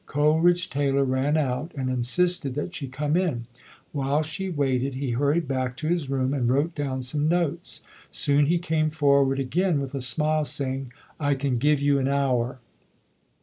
Coleridge Taylor ran out and insisted that she come in. While she waited, he hurried back to his room and wrote down some notes. Soon he came forward again with a smile, saying, "I can give you an hour".